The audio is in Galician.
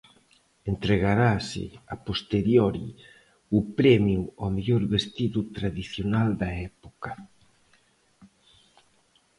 Entregarase, a posteriori, o premio ao mellor vestido tradicional da época.